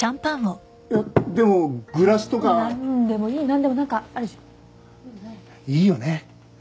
いやでもグラスとかなんでもいいなんでもなんかあるでしょいいよね